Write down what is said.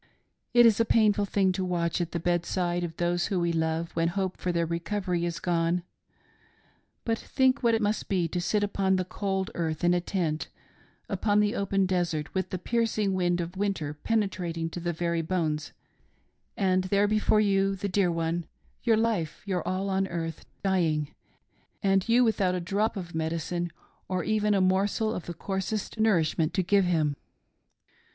It is a painful thing to watch at the bedside of those we love when hope for their recovery is gone, but think what it must be to sit upon the cold earth in a tent, upon the open desert, with the piercing wind of winter penetrating to the very bones, and there before you, the dear one — your life, your all on earth — dying, and you without a drop of medicine, or even a morsel of the coarsest nourishment, to give him.